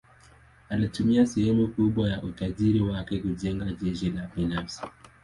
Alitumia sehemu kubwa ya utajiri wake kujenga jeshi la binafsi.